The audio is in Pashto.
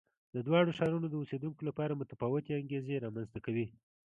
د دواړو ښارونو د اوسېدونکو لپاره متفاوتې انګېزې رامنځته کوي.